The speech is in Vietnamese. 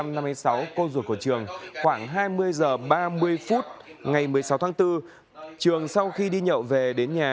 năm một nghìn chín trăm năm mươi sáu cô ruột của trường khoảng hai mươi h ba mươi phút ngày một mươi sáu tháng bốn trường sau khi đi nhậu về đến nhà